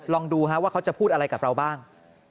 ลองดูว่าเขาจะพูดอะไรกับเราบ้าง